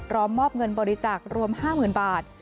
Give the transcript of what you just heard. ร้อมมอบเงินบริจักษ์รวม๕๐๐๐๐บาท